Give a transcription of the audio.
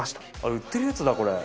売ってるやつだこれ。